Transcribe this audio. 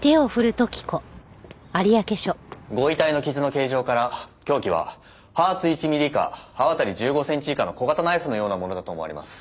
ご遺体の傷の形状から凶器は刃厚１ミリ以下刃渡り１５センチ以下の小型ナイフのようなものだと思われます。